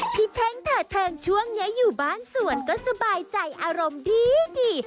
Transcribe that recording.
เท่งเถิดเทิงช่วงนี้อยู่บ้านสวนก็สบายใจอารมณ์ดี